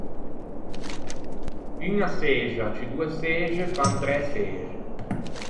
Uña çexa ciù doe çexe fan træ çexe.